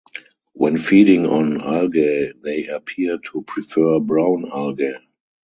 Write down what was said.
When feeding on algae they appear to prefer brown algae.